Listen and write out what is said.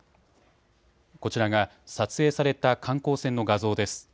こちらが撮影された観光船の画像です。